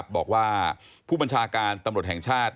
บอกว่าผู้บัญชาการตำรวจแห่งชาติ